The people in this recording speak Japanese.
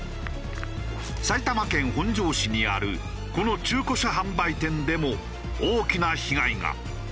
埼玉県本庄市にあるこの中古車販売店でも大きな被害が。